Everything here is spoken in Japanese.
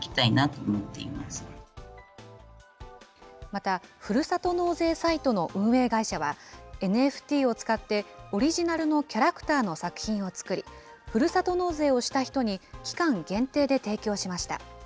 また、ふるさと納税サイトの運営会社は、ＮＦＴを使って、オリジナルのキャラクターの作品をつくり、ふるさと納税をした人に期間限定で提供しました。